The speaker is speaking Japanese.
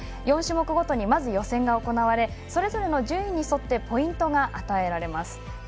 ４種目ごとにまず予選が行われそれぞれの順位に沿ってポイントが与えられます。